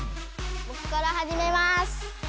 ぼくからはじめます。